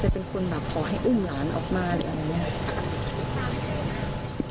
เป็นคนแบบขอให้อุ้มหลานออกมาหรืออะไรอย่างนี้